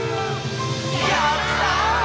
やった！